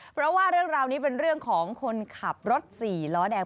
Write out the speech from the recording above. เพราะว่าเรื่องราวนี้เป็นเรื่องของคนขับรถสี่ล้อแดง